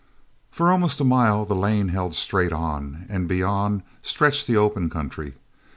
For almost a mile the lane held straight on, and beyond stretched the open country.